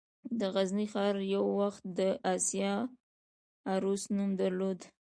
د غزني ښار یو وخت د «د اسیا عروس» نوم درلود